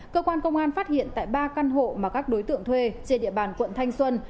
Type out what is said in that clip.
cơ quan công an phát hiện tại ba căn hộ mà các đối tượng thuê trên địa bàn quận thanh xuân